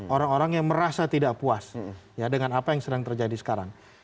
orang orang yang merasa tidak puas dengan apa yang sedang terjadi sekarang